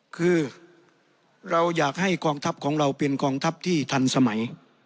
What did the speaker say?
คือเราอยากให้กองทัพของเราเป็นกองทัพที่ทันสมัย